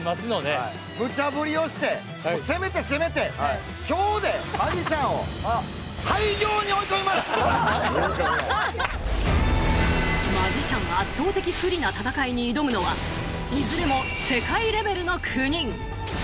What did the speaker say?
ムチャぶりをして攻めて攻めて今日でマジシャンをマジシャン圧倒的不利な戦いに挑むのはいずれも世界レベルの９人。